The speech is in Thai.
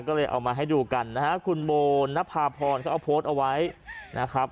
ก็เลยเอามาให้ดูกันนะฮะคุณโบนภาพรเขาเอาโพสต์เอาไว้นะครับ